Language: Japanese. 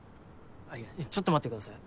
いやちょっと待って下さい。